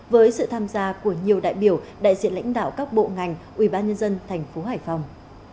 với sự tham gia của nhiều đại biểu đại diện lãnh đạo các bộ ngành ubnd tp hải phòng